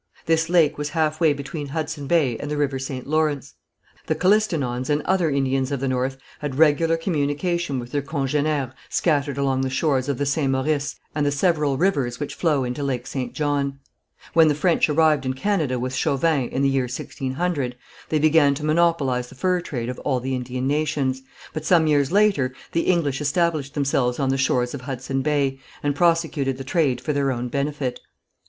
This lake was half way between Hudson Bay and the river St. Lawrence. The Kilistinons and other Indians of the north had regular communication with their congénères scattered along the shores of the St. Maurice and the several rivers which flow into Lake St. John. When the French arrived in Canada with Chauvin, in the year 1600, they began to monopolize the fur trade of all the Indian nations, but some years later the English established themselves on the shores of Hudson Bay, and prosecuted the trade for their own benefit.